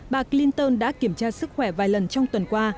bà clinton đã kiểm tra sức khỏe vài lần trong tuần qua